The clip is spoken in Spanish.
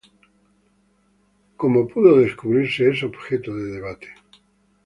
Cómo pudo descubrirse es objeto de debate.